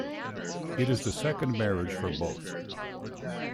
It is the second marriage for both.